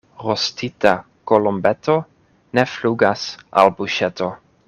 Rostita kolombeto ne flugas al buŝeto.